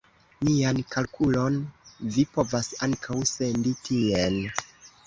Mian kalkulon vi povas ankaŭ sendi tien.